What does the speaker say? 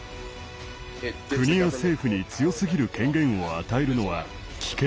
国や政府に強すぎる権限を与えるのは危険です。